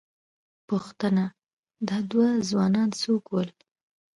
پوښتنه، دا دوه ځوانان څوک ول؟